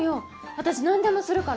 私なんでもするから。